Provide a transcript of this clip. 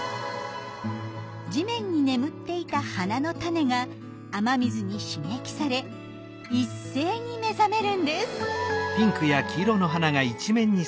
地面に眠っていた花の種が雨水に刺激され一斉に目覚めるんです。